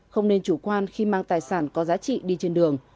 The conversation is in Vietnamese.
không nên chủ quan khi mang tài sản có giá trị đi trên đường